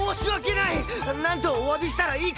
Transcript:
なんとおわびしたらいいか！